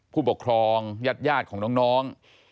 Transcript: ผู้ปกครองญาติของน้อง